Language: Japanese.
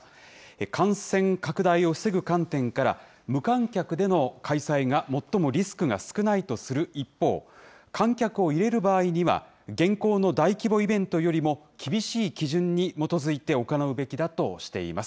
感染拡大を防ぐ観点から、無観客での開催が最もリスクが少ないとする一方、観客を入れる場合には、現行の大規模イベントよりも厳しい基準に基づいて行うべきだとしています。